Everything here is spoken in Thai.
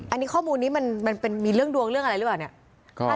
อันนี้ข้อมูลนี้มันมันเป็นมีเรื่องดวงเรื่องอะไรหรืออะเนี่ย